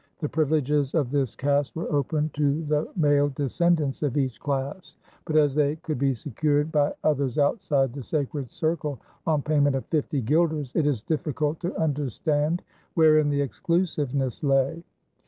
The privileges of this caste were open to the male descendants of each class; but as they could be secured by others outside the sacred circle on payment of fifty guilders it is difficult to understand wherein the exclusiveness lay.